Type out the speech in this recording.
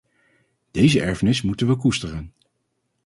Deze erfenis moeten we koesteren.